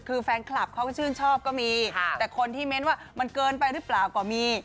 คือแฟนคลับเขาก็ชื่นชอบก็มีแต่คนที่เม้นว่ามันเกินไปหรือเปล่าก็มี